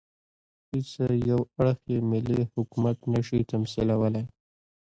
هېڅ یو اړخ یې ملي حکومت نه شي تمثیلولای.